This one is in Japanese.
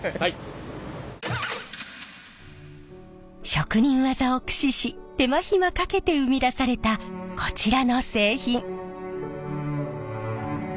職人技を駆使し手間暇かけて生み出されたこちらの製品。